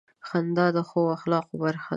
• خندا د ښو اخلاقو برخه ده.